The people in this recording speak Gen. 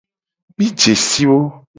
Mi je si wo.